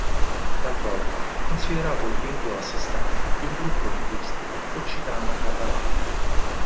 Talvolta è considerato lingua a sé stante di un gruppo linguistico occitano-catalano.